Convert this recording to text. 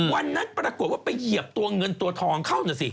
วันนั้นปรากฏว่าไปเหยียบตัวเงินตัวทองเข้านะสิ